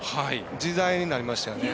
自在になりましたよね。